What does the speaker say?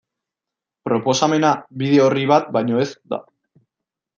Proposamena bide orri bat baino ez da.